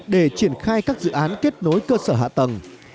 để triển khai các dự án kết nối cơ sở hạ tầng